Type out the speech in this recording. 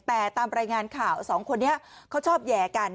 แต่ตามรายงานข่าวสองคนนี้เขาชอบแห่กัน